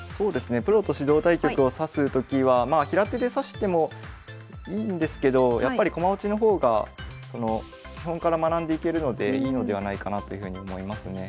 プロと指導対局を指すときはまあ平手で指してもいいんですけどやっぱり駒落ちの方が基本から学んでいけるのでいいのではないかなというふうに思いますね。